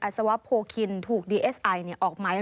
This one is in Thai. ชีวิตกระมวลวิสิทธิ์สุภาณฑ์